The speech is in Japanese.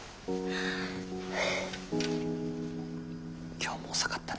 今日も遅かったね。